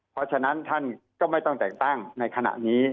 เพราะฉะนั้นท่านก็ไม่ต้องแต่งตั้งในขณะนี้